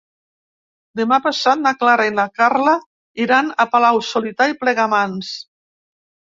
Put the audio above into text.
Demà passat na Clara i na Carla iran a Palau-solità i Plegamans.